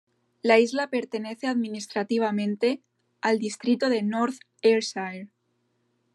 La isla pertenece administrativamente al distrito de North Ayrshire.